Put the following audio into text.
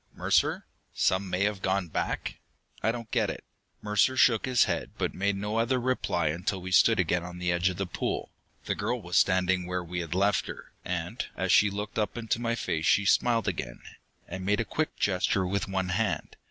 Mercer? 'Some may have gone back?' I don't get it." Mercer shook his head, but made no other reply until we stood again on the edge of the pool. The girl was standing where we had left her, and as she looked up into my face, she smiled again, and made a quick gesture with one hand.